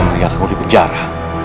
meriakanku di penjara